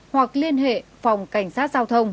hoặc liên hệ phòng cảnh sát giao thông